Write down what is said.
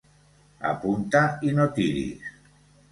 Apunta i no tiris.